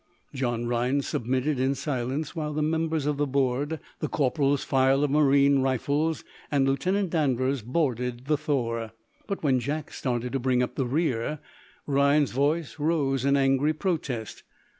John Rhinds submitted, in silence, while the members of the board, the corporal's file of marine rifles and Lieutenant Danvers boarded the "Thor." But when Jack started to bring up the rear Rhinds's voice rose in angry protest.